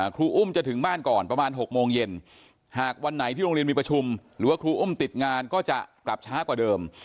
ครูอุ้มจะถึงบ้านก่อนประมาณ๖โมงเย็นหากวันไหนที่โรงเรียนมีประชุมหรือว่าครูอุ้มติดงานก็จะกลับช้ากว่าเดิม